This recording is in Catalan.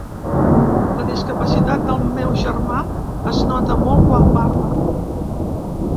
La discapacitat del meu germà es nota molt quan parla.